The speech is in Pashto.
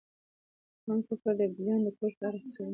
پوهاند کاکړ د ابدالیانو د کوچ په اړه څېړنه کړې ده.